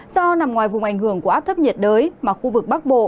do nằm ngoài vùng ảnh hưởng của áp thấp nhiệt đới mà khu vực bắc bộ